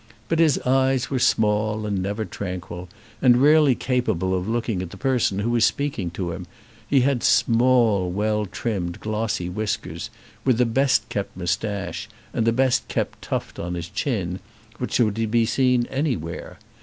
But his eyes were small and never tranquil, and rarely capable of looking at the person who was speaking to him. He had small well trimmed, glossy whiskers, with the best kept moustache, and the best kept tuft on his chin which were to be seen anywhere.